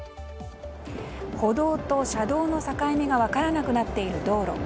歩道と車道の境目が分からなくなっている道路。